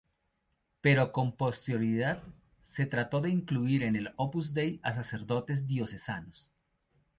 Pero con posterioridad se trató de incluir en el Opus Dei a sacerdotes diocesanos.